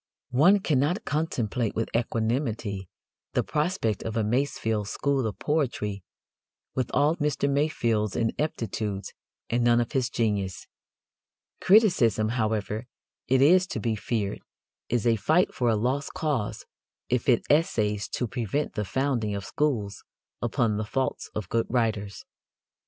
One cannot contemplate with equanimity the prospect of a Masefield school of poetry with all Mr. Masefield's ineptitudes and none of his genius. Criticism, however, it is to be feared, is a fight for a lost cause if it essays to prevent the founding of schools upon the faults of good writers.